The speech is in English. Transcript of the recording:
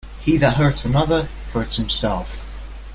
He that hurts another, hurts himself.